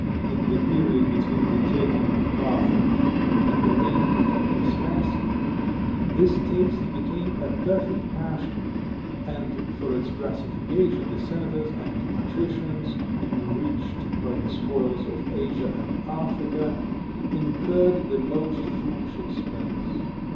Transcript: In the period between the taking of Carthage and the reign of Vespasian, this taste became a perfect passion, and for its gratification the senators and patricians, enriched by the spoils of Asia and Africa, incurred the most foolish expense.